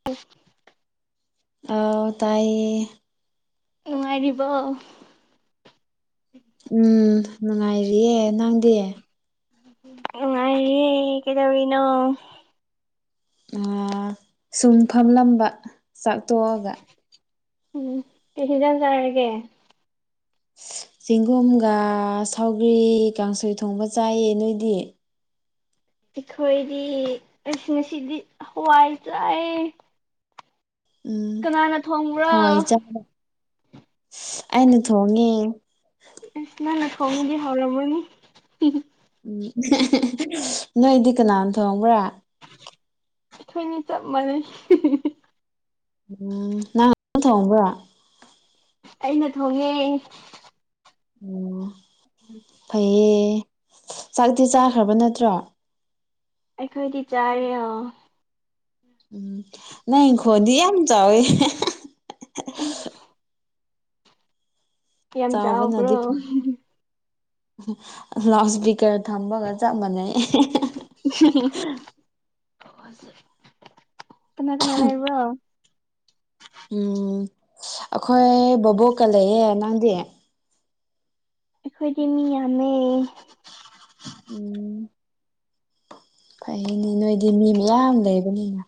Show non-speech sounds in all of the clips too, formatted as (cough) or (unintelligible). (unintelligible) ꯑ‌ꯥꯎ ꯇꯥꯏꯌ‌ꯦ ꯅꯨꯡꯉꯥꯏꯔꯤꯕ‌ꯣ ꯎꯝ ꯅꯨꯡꯉꯥꯏꯔꯤꯌꯦ ꯅꯪꯗꯤ ꯅꯨꯡꯉꯥꯏꯔꯤꯌꯦ ꯀꯩꯗꯧꯔꯤꯅꯣ ꯑꯥ ꯁꯨꯝ ꯐꯝꯂꯝꯕ ꯆꯥꯛ ꯇꯣꯛꯑꯒ ꯑꯦ ꯀꯩ ꯍ‌ꯦꯟꯖꯥꯡ ꯆꯥꯔꯒꯦ ꯆꯦꯡꯒꯣꯝꯒ ꯁꯥꯎꯒ꯭ꯔꯤ ꯀꯥꯡꯁꯣꯏ ꯊꯣꯡꯕ ꯆꯥꯏꯌꯦ ꯅꯣꯏꯗꯤ ꯑꯩꯈꯣꯏꯗꯤ ꯉꯁꯤꯉꯁꯤꯗꯤ ꯍꯋꯥꯏ ꯆꯥꯏꯌ‌ꯦ ꯎꯝ ꯀꯅꯥꯅ ꯊꯣꯡꯕ ꯍꯋꯥꯏ ꯆꯥꯕ (unintelligible) ꯑꯩꯅ ꯊꯣꯡꯉꯦ ꯏꯁ ꯅꯪꯅ ꯊ‌ꯣꯡꯔꯗꯤ ꯍꯥꯎꯔꯝꯃꯅꯤ ꯎꯝ ꯅꯣꯏꯗꯤ ꯀꯅꯥꯅ ꯊꯣꯡꯕ꯭ꯔꯥ ꯑꯩꯈꯣꯏꯅꯤ ꯆꯞ ꯃꯥꯟꯅꯩ ꯎꯝ ꯅꯪ (inaudible) ꯊꯣꯡꯕ꯭ꯔꯣ ꯑꯩꯅ ꯊꯣꯡꯉꯦ ꯑꯣ ꯐꯩꯌꯦ ꯆꯥꯛꯇꯤ ꯆꯥꯈ꯭ꯔꯕ ꯅꯠꯇ꯭ꯔꯣ ꯑꯩꯈꯣꯏꯗꯤ ꯆꯥꯔꯦ ꯑꯣ ꯎꯝ ꯅꯪꯒꯤ ꯈꯣꯟꯗꯤ ꯌꯥꯝ ꯆꯥꯎꯋꯦ ꯑꯖ ꯌꯥꯝ ꯆꯥꯎꯕ꯭ꯔꯣ ꯆꯥꯎꯕꯅꯗꯤ (unintelligible) ꯂꯥꯎꯠ ꯏꯁꯄꯤꯀꯔ ꯊꯝꯕꯒ ꯆꯞ ꯃꯥꯟꯅꯩ (unintelligible) ꯀꯅꯥ ꯀꯅꯥ ꯂꯩꯕ‌꯭ꯔ‌ꯣ ꯎꯝ ꯑꯩꯈꯣꯏ ꯕꫭꯕꯣꯛꯀ ꯂꯩꯌꯦ ꯅꯪꯗꯤ꯫ ꯑꯩꯈꯣꯏꯗꯤ ꯃꯤ ꯌꯥꯝꯃꯦ꯫ ꯎꯝ꯫ ꯐꯌꯦꯅꯦ ꯅꯣꯏꯗꯤ ꯃꯤ ꯃꯌꯥꯝ ꯂꯩꯕꯅꯤꯅ꯫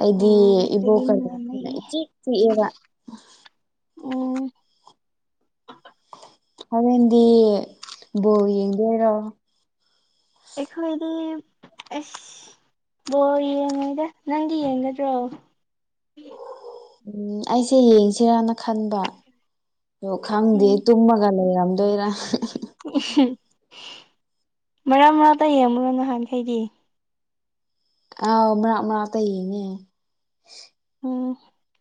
ꯑꯩꯗꯤ ꯎꯝ ꯑꯩꯈꯣꯏꯗꯤ ꯏꯕꯣꯛꯀ ꯃꯤ ꯂꯩꯕꯅꯤꯅ ꯏꯆꯤꯛ ꯆꯤꯛꯑꯦꯕ꯫ ꯑꯣ꯫ ꯍꯣꯔꯦꯟꯗꯤ ꯕꯣꯜ ꯌꯦꯡꯗꯣꯏꯔꯣ꯫ ꯑꯩꯈꯣꯏꯗꯤ ꯑꯁ ꯕꯣꯜ ꯌꯦꯡꯉꫭꯏꯗ ꯅꯪꯗꯤ ꯌꯦꯡꯒꯗ꯭ꯔꯣ꯫ ꯎꯝ ꯑꯩꯁꯦ ꯌꯦꯡꯁꯤꯔꯥꯅ ꯈꯟꯕ꯫ ꯑꯗꫭ ꯈꯪꯗꯦ ꯇꯨꯝꯃꯒ ꯂꯩꯔꯝꯗꯣꯏꯔꯥ꯫ ꯎ ꯃꯔꯛ ꯃꯔꯛꯇ ꯌꯦꯡꯕꯔꫭ ꯅꯍꯥꯟꯈꯩꯗꯤ꯫ ꯑꯥꯎ ꯃꯔꯥꯛ ꯃꯔꯥꯛꯇ ꯌꯦꯡꯉꯦ꯫ ꯎꯝ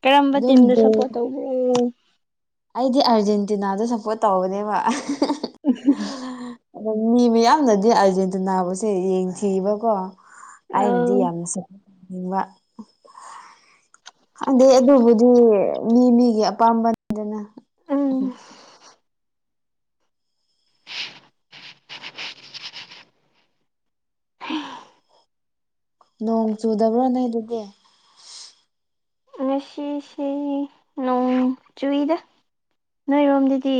ꯀꯔꯝꯕ ꯑꯗꯨꯝ ꯇꯤꯝꯗ ꯕꯣꯜ ꯁꯞꯄꯣꯔꯠ ꯇꯧꯒꯦ꯫ ꯑꯩꯗꯤ ꯑꯥꯔꯖꯦꯟꯇꯤꯅꯥꯗ ꯁꯞꯄꯣꯔꯠ ꯇꯧꯕꯅꯦꯕ꯫ ꯑꯗꫭ ꯃꯤ ꯃꯤꯌꯥꯝꯅꯗꯤ ꯑꯥꯔꯖꯦꯟꯇꯤꯅꯥꯕꯨꯁꯦ ꯌꯦꯡꯊꯤꯕꯀꯣ꯫ ꯑꯧ ꯑꯩꯅꯗꯤ ꯌꯥꯝꯅ ꯁꯄꯠꯅꯤꯡꯕ꯫ ꯈꯪꯗꯦ ꯑꯗꯨꯕꯨꯗꯤ ꯃꯤ ꯃꯤꯒꯤ ꯑꯄꯥꯝꯕ ꯑꯗꯨꯅ ꯎꯝ (unintelligible) (unintelligible) ꯅꯣꯡ ꯆꯨꯗꯕ꯭ꯔꯣ ꯅꫭꯏꯗꯗꯤ꯫ ꯉꯁꯤꯁꯦ ꯅꯣꯡ ꯆꯨꯏꯗ ꯅꯣꯏꯔꯣꯝꯗꯗꯤ꯫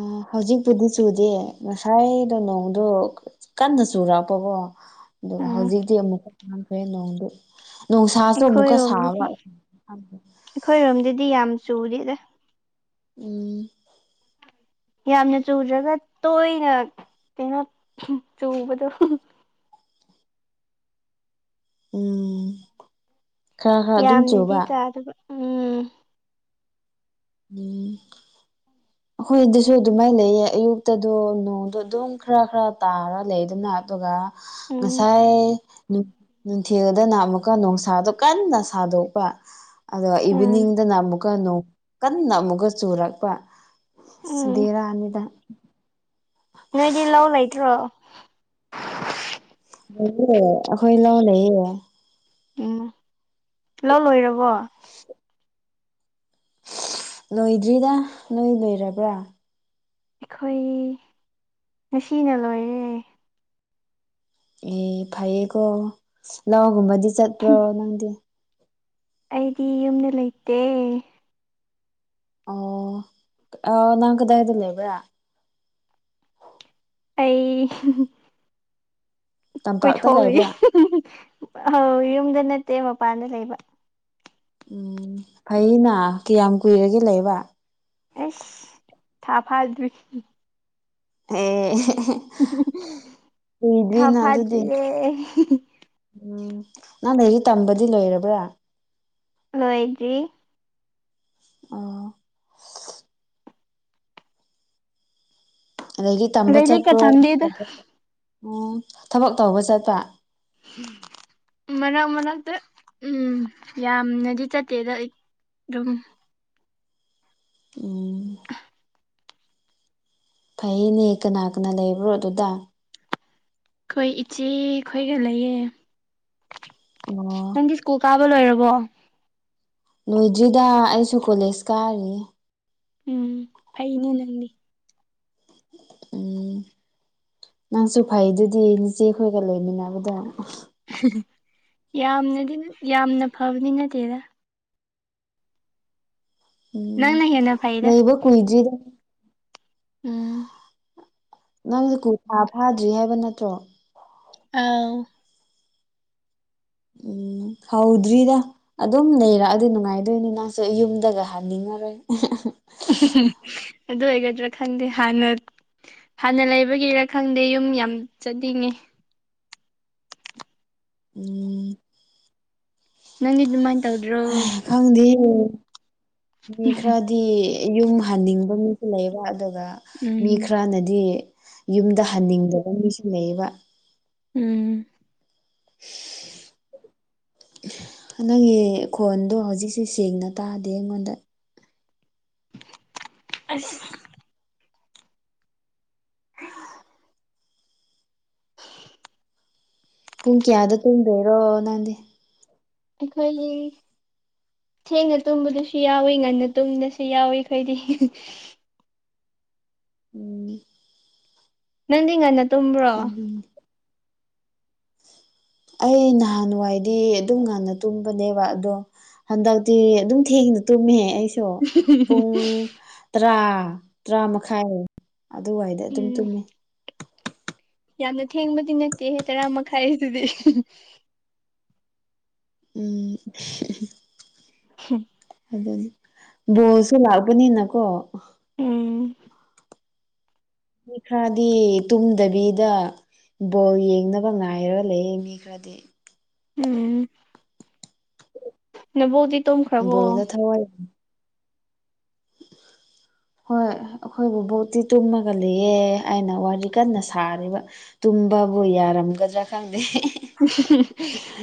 ꯑꫭ ꯍꯧꯖꯤꯛꯄꯨꯗꯤ ꯆꯨꯗꯦ ꯉꯁꯥꯏꯗꯣ ꯅꯣꯡꯗꯣ ꯀꯟꯅ ꯆꯨꯔꯛꯄꯀꯣ ꯑꯗꯨꯒ ꯑꯥ ꯍꯧꯖꯤꯛꯇꯤ ꯑꯃꯨꯛꯀ ꯍꯟꯈ꯭ꯔꯦ ꯅꯣꯡꯗꯨ꯫ ꯅꯨꯡꯁꯥꯁꯨ ꯑꯃꯨꯛꯀ ꯁꯥꯕ ꯑꯩꯈꯣꯏꯔꯣꯝꯗꯗꯤ ꯑꯩꯈꯣꯏꯔꯣꯝꯗꯗꯤ ꯌꯥꯝ ꯆꯨꯗꯤꯗ꯫ ꯎꯝ꯫ ꯌꯥꯝꯅ ꯆꯨꯗ꯭ꯔꯒ ꯇꯣꯏꯅ ꯀꯩꯅꯣ ꯆꯨꯕꯗꯣ꯫ ꯎꯝ ꯈꯔ ꯈꯔ ꯑꯗꯨꯝ ꯆꯨꯕ꯫ ꯌꯥꯗꯕ ꯎꯝ꯫ (unintelligible) (inaudible) ꯑꯩꯈꯣꯏ ꯗꯨꯁꯨ ꯑꯗꯨꯃꯥꯏ ꯂꯩꯌꯦ ꯑꯌꯨꯛꯇꯗꯣ ꯅꯣꯡꯗꯣ ꯑꯗꯨꯝ ꯈꯔ ꯈꯔ ꯇꯥꯔ ꯂꯩꯗꯅ ꯑꯗꯨꯒ ꯎꯝ ꯉꯁꯥꯏ ꯅ ꯅꯨꯡꯊꯤꯜꯗꯅ ꯑꯃꯨꯛꯀ ꯅꯨꯡꯁꯥꯗꯣ ꯀꯟꯅ ꯁꯥꯗꯣꯛꯄ꯫ ꯑꯗꯣ ꯎꯝ ꯏꯚꯤꯅꯤꯡꯗꯅ ꯑꯃꯨꯛꯀ ꯅꫭꯡ ꯀꯟꯅ ꯑꯃꯨꯛꯀ ꯆꯨꯔꯛꯄ ꯑꯁ ꯎꯝ ꯕꯦꯔꯥꯅꯤꯗ꯫ ꯅꯣꯏꯗꯤ ꯂꯧ ꯂꯩꯇ꯭ꯔꯣ꯫ ꯂꯩꯌꯦ ꯑꯩꯈꯣꯏ ꯂꯥꯎ ꯂꯩꯌꯦ꯫ ꯎꯝ ꯂꯧ ꯂꯣꯏꯔꯕꯣ꯫ ꯂꯣꯏꯗ꯭ꯔꯤꯗ ꯅꯣꯏ ꯂꯣꯏꯔꯕ꯭ꯔꯥ꯫ ꯑꯩꯈꯣꯏ ꯉꯁꯤꯅ ꯂꯣꯏꯔꯦ꯫ ꯑꯦ ꯐꯩꯌꯦꯀꯣ ꯂꯧꯒꯨꯝꯕꯗꯤ ꯆꯠꯄ꯭ꯔꯣ ꯅꯪꯗꯤ꯫ ꯑꯩꯗꯤ ꯌꯨꯝꯗ ꯂꯩꯇꯦ꯫ ꯑꯣ ꯀ ꯑ ꯅꯪ ꯀꯗꯥꯏꯗ ꯂꯩꯕ꯭ꯔꯥ꯫ ꯑꯩ ꯇꯝꯄꯥꯛꯇ ꯀꯣꯏꯊꯣꯛꯔꯨꯏ ꯂꯩꯕ꯭ꯔꯥ ꯑꯥꯎ ꯌꯨꯝꯗ ꯅꯠꯇꯦ ꯃꯄꯥꯟꯗ ꯂꯩꯕ ꯎꯝ ꯐꯩꯅ ꯀꯌꯥꯝ ꯀꯨꯏꯔꯒꯦ ꯂꯩꯕ ꯑꯁ ꯊꯥ ꯐꯥꯗ꯭ꯔꯤ ꯑꯦ ꯊꯥ ꯀꯨꯏꯗ꯭ꯔꯤꯅ ꯑꯗꯨꯗꯤ ꯐꯥꯗ꯭ꯔꯤꯌꯦ ꯎꯝ ꯅꯪ ꯂꯥꯏꯔꯤꯛ ꯇꯝꯕꯗꯤ ꯂꯣꯏꯔꯕ꯭ꯔꯥ ꯂꯣꯏꯗ꯭ꯔꯤ ꯑꯣ ꯑꯗꯒꯤ ꯇꯝꯕ ꯂꯥꯏꯔꯤꯛꯀ ꯆꯠꯄ꯭ꯔꯣ (unintelligible) ꯇꯝꯗꯦꯗ ꯑꯣ ꯊꯕꯛ ꯇꯧꯕ ꯆꯠꯄ ꯃꯅꯛ ꯃꯅꯛꯇ ꯎꯝ ꯌꯥꯝꯅꯗꯤ ꯆꯠꯇꯦꯗ ꯑꯩ ꯑꯗꯨꯝ ꯑꯣ ꯐꯩꯌꯦꯅꯦ ꯀꯅꯥ ꯀꯅꯥ ꯂꯩꯕ꯭ꯔꯣ ꯑꯗꯨꯗ ꯑꯩꯈꯣꯏ ꯏꯆꯦ ꯈꯣꯏꯒ ꯂꯩꯌꯦ ꯑꯣ ꯅꯪꯒꯤ ꯁ꯭ꯀꯨꯜ ꯀꯥꯕ ꯂꯣꯏꯔꯕꯣ ꯂꯣꯏꯗ꯭ꯔꯤꯗ ꯑꯩꯁꯨ ꯀꯣꯂꯦꯖ ꯀꯥꯔꯤ ꯎꯝ ꯐꯩꯅꯦ ꯅꯪꯗꯤ ꯎꯝ ꯅꯪꯁꯨ ꯐꯩꯗꯨꯗꯤ ꯅꯆꯦꯈꯣꯏꯒ ꯂꯩꯃꯤꯟꯅꯕꯗꯣ ꯌꯥꯝꯅꯗꯤ ꯌꯥꯝꯅ ꯐꯕꯅꯗꯤ ꯅꯠꯇꯦꯗ ꯎꯝ ꯅꯪꯅ ꯍꯦꯟꯅ ꯐꯩꯗ ꯂꯩꯕ ꯀꯨꯏꯗ꯭ꯔꯤꯗ ꯎꯝ ꯅꯪꯖꯨ ꯀꯨꯐꯥ ꯐꯥꯗ꯭ꯔꯤ ꯍꯥꯏꯕ ꯅꯠꯇ꯭ꯔꯣ ꯑꯥꯎ ꯎꯝ ꯍꯧꯗ꯭ꯔꯤꯗ ꯑꯗꯨꯝ ꯂꯩꯔꯛꯑꯗꯤ ꯅꯨꯡꯉꯥꯏꯗꯣꯏꯅꯤ ꯅꯪꯁꯨ ꯌꯨꯝꯗꯒ ꯍꯟꯅꯤꯡꯉꯔꯣꯏ ꯑꯗꯨ ꯑꯣꯏꯒꯗ꯭ꯔꯥ ꯈꯪꯗꯦ ꯍꯥꯟꯅ ꯍꯥꯟꯅ ꯂꯩꯕꯒꯤꯔ ꯈꯪꯗꯦ ꯌꯨꯝ ꯌꯥꯝ ꯆꯠꯅꯤꯡꯉꯦ ꯎꯝ ꯅꯪꯗꯤ ꯗꯨꯃꯥꯏ ꯇꯧꯗ꯭ꯔꯣ ꯈꯪꯗꯦ ꯅꯨꯃꯤꯠ ꯈꯔ ꯗꯤ ꯌꯨꯝ ꯍꯟꯅꯤꯡꯕ ꯃꯤꯁꯨ ꯂꯩꯌꯦꯕ ꯑꯗꯨꯒ ꯃꯤ ꯎꯝ ꯈꯔꯅꯗꯤ ꯌꯨꯝꯗ ꯍꯟꯅꯤꯡꯗꯕ ꯃꯤꯁꯨ ꯂꯩꯌꯦꯕ ꯎꯝ (inaudible) ꯅꯪꯒꯤ ꯈꯣꯟꯗꯣ ꯍꯧꯖꯤꯛꯁꯨ ꯁꯦꯡꯅ ꯇꯥꯗꯦ ꯑꯩꯉꯣꯟꯗ ꯑꯁ (inaudible) ꯄꯨꯡ ꯀꯌꯥꯗ ꯇꯨꯝꯗꯣꯏꯔꯣ ꯅꯪꯗꯤ ꯑꯩꯈꯣꯏꯒꯤ ꯊꯦꯡꯅ ꯇꯨꯝꯕꯗꯁꯨ ꯌꯥꯎꯏ ꯉꯟꯅ ꯇꯨꯝꯅꯤꯡꯉꯁꯨ ꯌꯥꯎꯏ ꯈꯣꯏꯗꯤ ꯎꯝ ꯅꯪꯗꯤ ꯉꯟꯅ ꯇꯨꯝꯕ꯭ꯔꯣ ꯑꯗꯨꯅ ꯑꯩ ꯅꯍꯥꯟꯋꯥꯏꯗꯤ ꯑꯗꯨꯝ ꯉꯟꯟꯅ ꯇꯨꯝꯕꯅꯦꯕ ꯑꯗꯣ ꯍꯟꯗꯛꯇꯤ ꯑꯗꯨꯝ ꯊꯦꯡꯅ ꯇꯨꯝꯃꯦ ꯑꯩꯁꯨ ꯄꯨꯡ ꯇꯔꯥ ꯇꯔꯥ ꯃꯈꯥꯏ ꯑꯗꯨꯋꯥꯏꯗ ꯑꯗꯨꯝ ꯎꯝ ꯇꯨꯝꯃꯤ ꯌꯥꯝꯅ ꯊꯦꯡꯕꯗꯤ ꯅꯠꯇꯦꯍꯦ ꯇꯔꯥ ꯃꯈꯥꯏꯁꯤꯗꯤ ꯎꯝ ꯍꯨꯝ ꯑꯗꯨꯅꯤ ꯕꯣꯁꯁꯨ ꯂꯥꯛꯄꯅꯤꯅꯀꯣ ꯎꯝ ꯃꯤ ꯈꯥꯗꯤ ꯇꯨꯝꯗꯕꯤꯗ ꯕꯣꯜ ꯌꯦꯡꯅꯕ ꯉꯥꯏꯔꯒ ꯂꯩꯌꯦꯡ ꯃꯤ ꯈ꯭ꯔꯗꯤ ꯎꯝ ꯅꯕꯣꯗꯤ ꯇꯨꯝꯈ꯭ꯔꯕꯣ ꯍꫭꯏ (unintelligible) ꯍꯣꯏ ꯑꯩꯈꯣꯏꯕꯨ ꯕꯣꯠꯇꯤ ꯇꯨꯝꯃꯒ ꯂꯩꯑꯦ ꯑꯩꯅ ꯋꯥꯔꯤ ꯀꯟꯅ ꯁꯥꯔꯤꯕ ꯇꯨꯝꯕꯕꯨ ꯌꯥꯔꯝꯒꯗ꯭ꯔꯥ ꯈꯪꯗꯦ (unintelligible)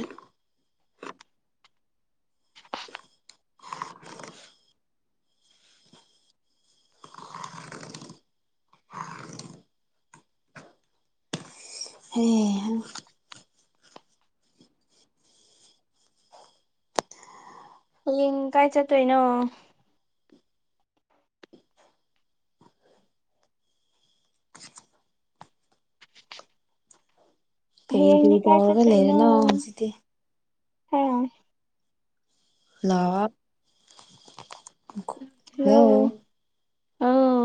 ꯍꯦ ꯍꯥꯌꯦꯡ ꯀꯥꯏ ꯆꯠꯇꯣꯏꯅꯣ ꯀꯔꯤ ꯍꯥꯌꯦꯡꯗꯤ ꯀꯔꯤ ꯀꯥꯏ ꯇꯧꯔꯒ ꯆꯠꯇꯣꯏꯅꯣ ꯂꯩꯔꯤꯅꯣ ꯍꯧꯖꯤꯛꯇꯤ ꯍꯥ ꯍꯜꯂꯣ ꯍꯜꯂꯣ ꯑꯥꯎ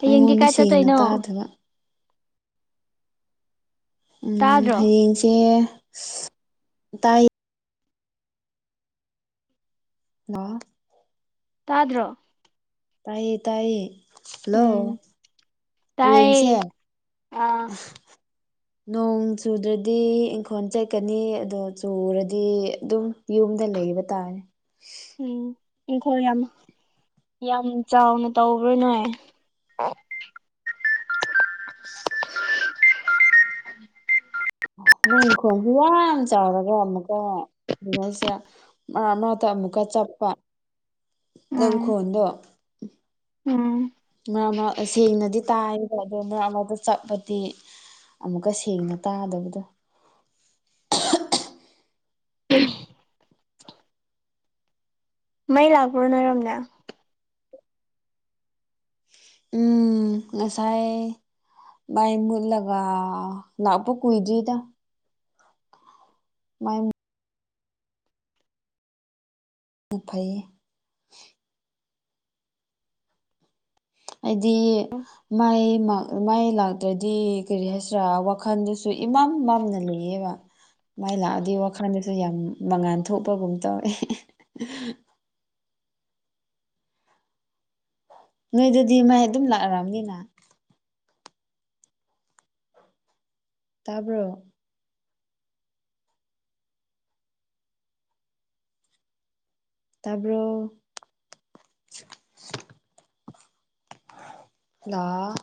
ꯍꯌꯦꯡꯗꯤ ꯑꯩꯉꯣꯟꯗꯥ ꯀꯥꯏ ꯁꯦꯡꯅꯥ ꯆꯠꯇꯣꯏꯅꯣ ꯇꯥꯗꯕꯥ ꯎꯝ ꯇꯥꯗ꯭ꯔꯣ ꯍꯌꯦꯡꯁꯦ ꯇꯥꯏ ꯍꯜꯂꯣ ꯇꯥꯗ꯭ꯔꯣ ꯇꯥꯏꯌꯦ ꯇꯥꯏꯌꯦ ꯍꯜꯂꯣ ꯎꯝ ꯍꯌꯦꯡꯁꯦ ꯇꯥꯏꯌꯦ ꯑꯥ ꯅꯣꯡ ꯆꯨꯗ꯭ꯔꯥꯗꯤ ꯏꯪꯈꯣꯜ ꯆꯠꯀꯅꯤ ꯑꯗꯣ ꯆꯨꯔꯥꯗꯤ ꯑꯗꯨꯝ ꯌꯨꯝꯗꯥ ꯂꯩꯕ ꯇꯥꯔꯦ ꯎꯝ ꯏꯪꯈꯣꯜ ꯌꯥꯝ ꯌꯥꯝ ꯆꯥꯎꯅ ꯇꯧꯕ꯭ꯔꯥ ꯅꯣꯏ ꯅꯣꯏ ꯏꯪꯈꯣꯜꯗꯤ ꯌꯥꯝ ꯆꯥꯎꯔꯒꯥ ꯑꯃꯨꯛꯀꯥ ꯀꯔꯤꯍꯥꯏꯁꯤꯔꯥ ꯃꯔꯛ ꯃꯔꯛꯇꯥ ꯑꯃꯨꯛꯀꯥ ꯆꯞꯄ ꯅꯪ ꯎꯝ ꯏꯪꯈꯣꯟꯗꯣ ꯎꯝ ꯃꯥꯔꯛ ꯃꯥꯔꯛ ꯁꯦꯡꯅꯥꯗꯤ ꯇꯥꯌꯦꯕꯥ ꯑꯗꯣ ꯃꯥꯔꯛ ꯃꯥꯔꯛꯇꯥ ꯆꯠꯄꯗꯤ ꯑꯃꯨꯛꯀꯥ ꯁꯦꯡꯅꯥ ꯇꯥꯗꯕꯗꯣ ꯎꯝ ꯃꯩ ꯂꯥꯛꯄ꯭ꯔꯣ ꯅꯣꯏꯔꯣꯝꯗꯥ ꯉꯁꯥꯏ ꯃꯩ ꯃꯨꯠꯂꯥꯥꯒꯥ ꯂꯥꯛꯄꯥ ꯀꯨꯏꯗꯔꯤꯗꯥ ꯃꯩ ꯄꯨꯛ ꯐꯩꯌꯦ ꯑꯩꯗꯤ ꯃꯥꯏ ꯑꯃ ꯃꯩ ꯂꯥꯛꯇ꯭ꯔꯥꯗꯤ ꯀꯔꯤ ꯍꯥꯏꯁꯤ꯭ꯔꯥ ꯋꯥꯈꯜꯗꯨꯁꯨ ꯏꯃꯝ ꯃꯝꯅ ꯂꯩꯌꯦꯕꯥ ꯃꯩ ꯂꯥꯛꯑꯥꯗꯤ ꯋꯥꯈꯜꯗꯥꯁꯨ ꯌꯥꯝ ꯃꯉꯥꯥꯟ ꯊꯣꯛꯄꯒꯨꯝ ꯇꯧꯋꯦ ꯅꯣꯏꯗꯥꯗꯤ ꯃꯩ ꯑꯗꯨꯝ ꯂꯥꯛꯔꯝꯅꯤꯅ ꯇꯥꯕ꯭ꯔꯣ ꯇꯥꯕꯔꯣ ꯍꯂꯣ